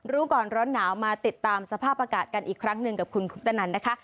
รู้ก่อนร้อนหนาวมาติดตามสภาพอากาศกันอีกครั้งหนึ่งกับคุณคุปตนันนะคะ